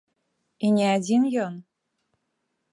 І не адзін ён!